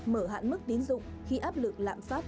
mở hạn mức tín dụng khi áp lực lạm phát